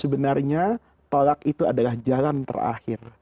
sebenarnya tolak itu adalah jalan terakhir